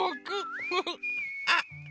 あっ。